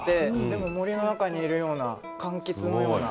森の中にいるようなかんきつのような。